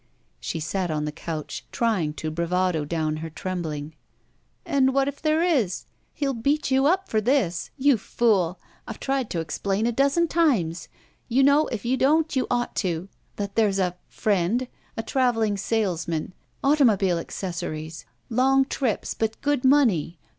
She sat on the couch, trying to bravado down her trembling. "And what if there is? He'll beat you up for this! You fool! I've tried to explain a dozen times. You know, or if you don't you ought to, that there's a — friend. A traveling salesman. Automobile acces sories. Long trips, but good money.